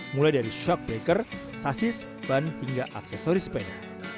mulai dari shock backer sasis ban hingga aksesori sepeda